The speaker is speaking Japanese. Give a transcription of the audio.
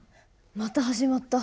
また始まった。